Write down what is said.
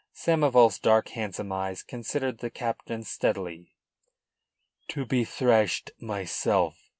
Samoval's dark, handsome eyes considered the captain steadily. "To be thrashed myself?"